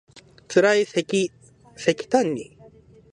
つらいせきたんに